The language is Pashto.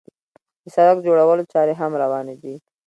د سړک جوړولو چارې هم روانې دي.